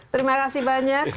terima kasih banyak